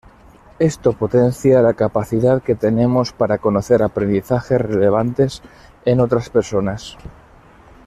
Esto potencia la capacidad que tenemos para conocer aprendizaje relevantes en otras personas.